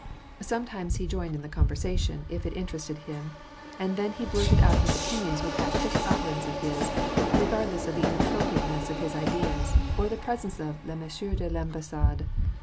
Sometimes he joined in the conversation if it WAk AND PteACE, 183 interested him, and then he blurted out bis opinions with that thick utterance of his, regardless of the inappropriateness of his ideas, or the presence of les messieurs de Vavibassade.